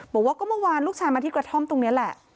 บอกว่าก็เมื่อวานลูกชายมาที่กระท่อมตรงนี้แหละ